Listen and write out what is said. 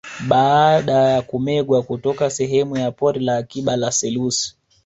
Baada ya kumegwa kutoka sehemu ya Pori la Akiba la Selous